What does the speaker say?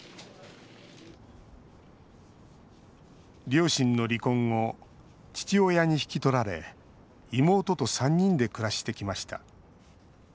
両親の離婚後父親に引き取られ妹と３人で暮らしてきました。